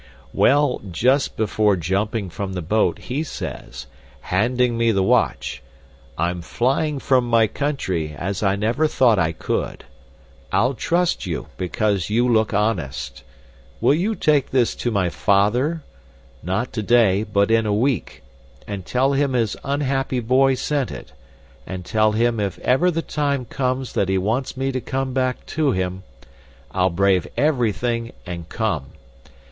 "Well, just before jumping from the boat, he says, handing me the watch, 'I'm flying from my country as I never thought I could. I'll trust you because you look honest. Will you take this to my father not today but in a week and tell him his unhappy boy sent it, and tell him if ever the time comes that he wants me to come back to him, I'll brave everything and come.